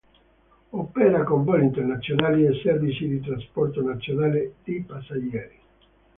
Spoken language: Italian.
Opera con voli internazionali e servizi di trasporto nazionale di passeggeri.